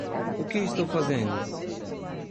O que estou fazendo?